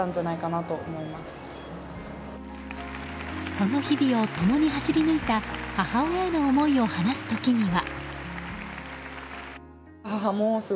その日々を共に走り抜いた母親への思いを話す時には。